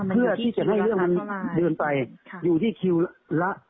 เพื่อที่จะให้เรื่องมันเดินไปอยู่ที่คิวละ